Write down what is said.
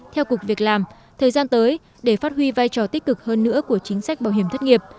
theo cục việc làm thời gian tới để phát huy vai trò tích cực hơn nữa của chính sách bảo hiểm thất nghiệp